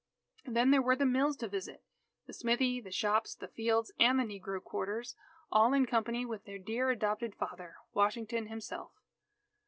Then there were the mills to visit, the smithy, the shops, the fields, and the negro quarters, all in company with their dear adopted father, Washington himself.